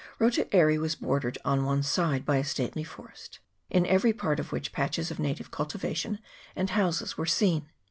Rotu Aire was bordered on one side by a stately forest, in every part of which patches of native cultivation and houses were seen.